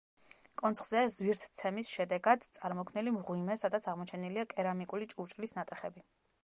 კონცხზეა ზვირთცემის შედეგად წარმოქმნილი მღვიმე, სადაც აღმოჩენილია კერამიკული ჭურჭლის ნატეხები.